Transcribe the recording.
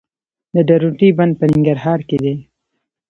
د درونټې بند په ننګرهار کې دی